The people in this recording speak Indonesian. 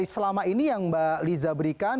selama ini yang mbak liza berikan